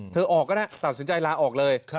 ออกก็ได้ตัดสินใจลาออกเลย